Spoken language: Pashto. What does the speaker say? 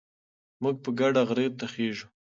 موږ په ګډه غره ته خېژو.